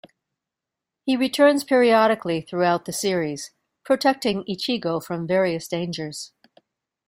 He returns periodically throughout the series, protecting Ichigo from various dangers.